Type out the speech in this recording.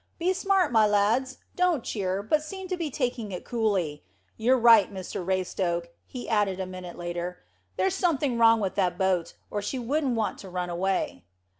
Be smart, my lads. Don't cheer, but seem to be taking it coolly. You're right, Mr Raystoke," he added a minute later; "there's something wrong with that boat, or she would not want to run away."